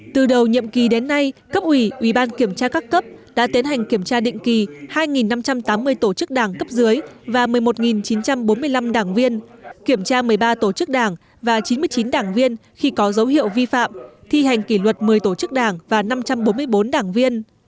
từ đầu nhiệm kỳ đến nay cấp ủy ủy ban kiểm tra các cấp đã tiến hành kiểm tra định kỳ hai năm trăm tám mươi tổ chức đảng cấp dưới và một mươi một chín trăm bốn mươi năm đảng viên kiểm tra một mươi ba tổ chức đảng và chín mươi chín đảng viên khi có dấu hiệu vi phạm thi hành kỷ luật một mươi tổ chức đảng và năm trăm bốn mươi bốn đảng viên